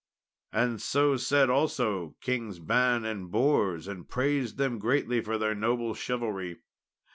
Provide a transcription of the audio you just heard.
And so said also Kings Ban and Bors, and praised them greatly for their noble chivalry.